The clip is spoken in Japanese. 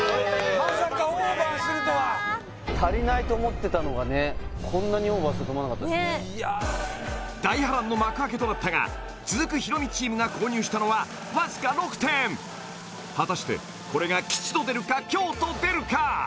まさかオーバーするとはのがねこんなにオーバーするとは思わなかった大波乱の幕開けとなったが続くヒロミチームが購入したのはわずか６点果たしてこれが吉と出るか凶と出るか？